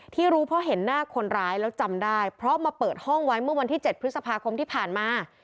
รู้เพราะเห็นหน้าคนร้ายแล้วจำได้เพราะมาเปิดห้องไว้เมื่อวันที่๗พฤษภาคมที่ผ่านมา